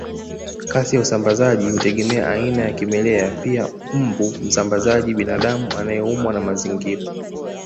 Kasi ya usambazaji hutegemea aina ya kimelea pia mbu msambazaji binadamu anayeumwa na mazingira